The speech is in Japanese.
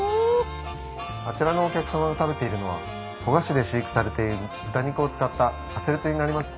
あちらのお客様が食べているのは古河市で飼育されている豚肉を使ったカツレツになります。